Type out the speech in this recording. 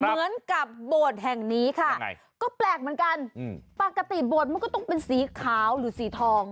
เหมือนกับโบสถ์แห่งนี้ค่ะก็แปลกเหมือนกันปกติโบสถ์มันก็ต้องเป็นสีขาวหรือสีทอง